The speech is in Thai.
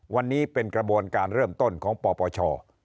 วันนี้เป็นกระบวนการเริ่มต้นของปปช